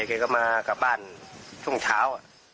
แกก็มากลับบ้านช่วงเช้า